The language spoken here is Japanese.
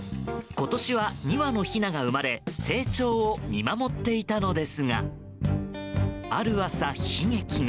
今年は２羽のひなが生まれ成長を見守っていたのですがある朝、悲劇が。